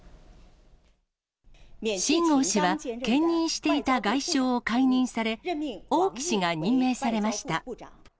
秦剛氏は、兼任していた外相を解任され、王毅氏が任命されました。